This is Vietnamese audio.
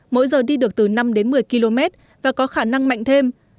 mỗi giờ đi được từ năm đến một mươi km và có khả năng mạnh thêm